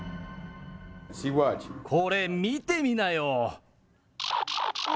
これ、見てみなよ。